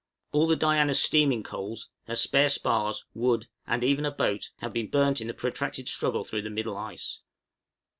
All the 'Diana's' steaming coals, her spare spars, wood and even a boat, have been burnt in the protracted struggle through the middle ice.